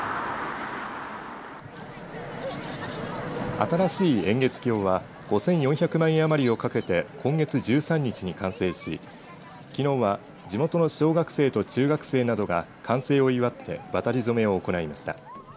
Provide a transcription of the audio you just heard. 新しい偃月橋は５４００万円余りをかけて今月１３日に完成しきのうは地元の小学生と中学生などが完成を祝って渡り初めを行いました。